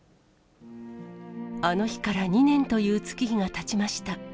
あの日から２年という月日がたちました。